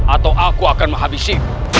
atau aku akan menghabisi